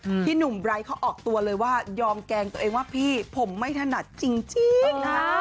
พี่หนุ่มไบร์ทเขาออกตัวเลยว่ายอมแกล้งตัวเองว่าพี่ผมไม่ถนัดจริงจริงนะฮะ